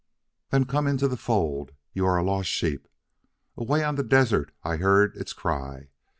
"Then come into the fold. You are a lost sheep. 'Away on the desert I heard its cry.'...